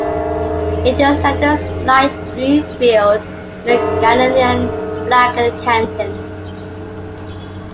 It is a standard light blue field with the Ghanaian flag in the canton.